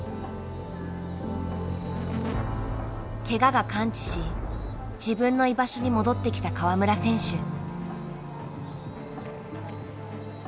ケガが完治し自分の居場所に戻ってきた川村選手。